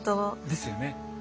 ですよね。